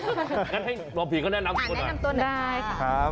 งั้นให้หมอผีเขาแนะนำตัวหน่อย